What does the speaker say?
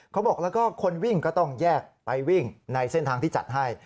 เขาบอกแล้วก็คนวิ่งก็ต้องแยกไปวิ่งในเส้นทางที่จัดให้